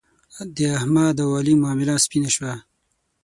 د احمد او علي معامله سپینه شوه.